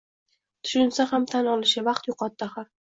tushunsa ham tan olishi, vaqt yo‘qotdi axir.